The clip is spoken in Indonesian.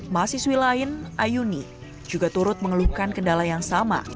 masih swilain ayuni juga turut mengeluhkan kendala yang sama